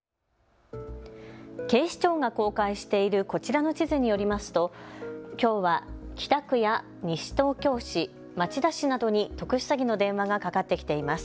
警視庁が公開しているこちらの地図によりますときょうは北区や西東京市、町田市などに特殊詐欺の電話がかかってきています。